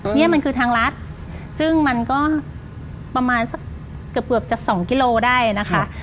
เนี่ยมันคือทางรัฐซึ่งมันก็ประมาณสักเกือบเกือบจะสองกิโลได้นะคะ